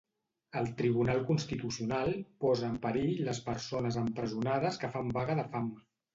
El Tribunal Constitucional posa en perill les persones empresonades que fan vaga de fam.